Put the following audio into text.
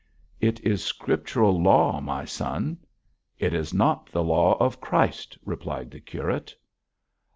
'It is scriptural law, my son.' 'It is not the law of Christ,' replied the curate.